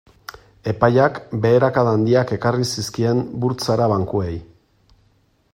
Epaiak beherakada handiak ekarri zizkien burtsara bankuei.